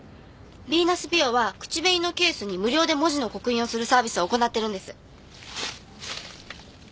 ヴィーナス・ビオは口紅のケースに無料で文字の刻印をするサービスを行っているんです。